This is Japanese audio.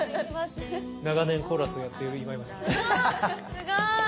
すごい！